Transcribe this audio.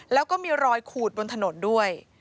แล้วก็มีรอยขูดบนถนนด้วย